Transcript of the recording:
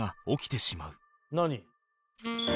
「何？」